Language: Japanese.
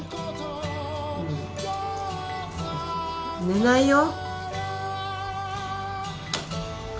寝ないよ！